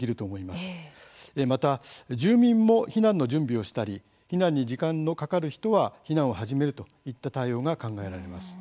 また住民も、避難の準備をしたり避難に時間のかかる人は避難を始めるといった対応が考えられます。